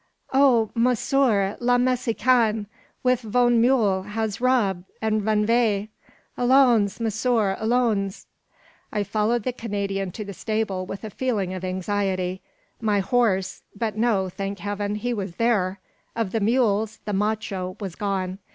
"Oh, monsieur! la Mexicaine, with von mule, has robb, and run vay. Allons, monsieur, allons!" I followed the Canadian to the stable with a feeling of anxiety. My horse but no thank Heaven, he was there! One of the mules, the macho, was gone.